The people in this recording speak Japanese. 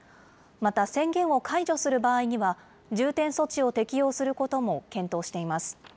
また、宣言を解除する場合には、重点措置を適用することも検討しています。